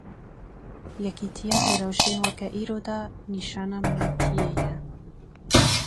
Yekîtîya di rewşên weke îro da nîşana miletîyê ye.